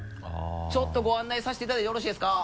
ちょっとご案内させていただいてよろしいですか？